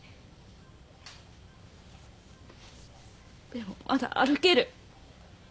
でもまだ歩ける。